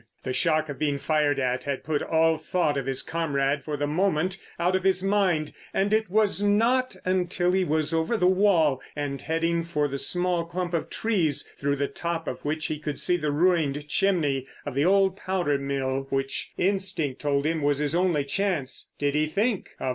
The shock of being fired at had put all thought of his comrade for the moment out of his mind, and it was not until he was over the wall and heading for the small clump of trees, through the top of which he could see the ruined chimney of the old powder mill which instinct told him was his only chance, did he think of 303.